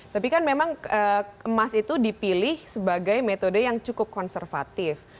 tapi kan memang emas itu dipilih sebagai metode yang cukup konservatif